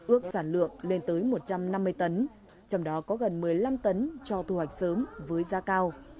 ước sản lượng lên tới một trăm năm mươi tấn trong đó có gần một mươi năm tấn cho thu hoạch sớm với giá cao